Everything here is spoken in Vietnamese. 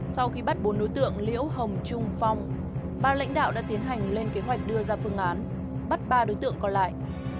sau khi bắt bốn đối tượng liễu hồng trung phong ba lãnh đạo đã tiến hành lên kế hoạch đưa ra phương án bắt ba đối tượng còn lại